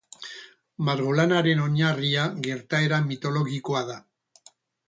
Margolanaren oinarria gertaera mitologikoa da.